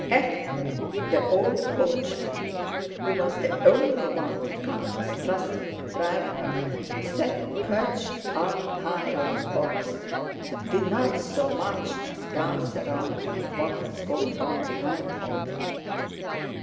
Efím, the old coachman, who was the only one the countess trusted to drive her, sat perched up high on the box and did not so much as glance round at what was going on behind him.